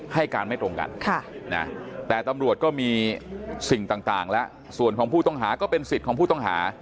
ให้การไม่ตรงกันแต่ตำรวจก็มีสิ่งต่างแล้วส่วนของผู้ต้องหาก็เป็นสิทธิ์ของผู้ต้องหา